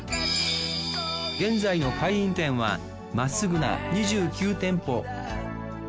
現在の会員店はまっすぐな２９店舗。